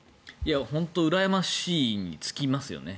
本当にうらやましいに尽きますよね。